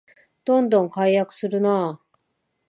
どんどん改悪するなあ